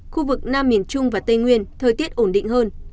khu vực nam miền trung và tây nguyên thời tiết ổn định hơn